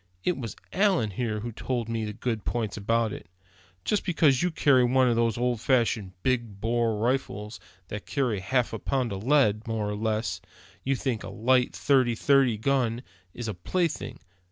It was Allan here who told me the good points about it. Just because you carry one of those old fashioned, big bore rifles, that carry half a pound of lead, more or less, you think a light thirty thirty gun is a plaything.